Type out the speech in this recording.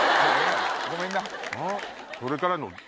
ごめんな。